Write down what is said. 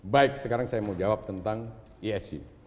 baik sekarang saya mau jawab tentang esg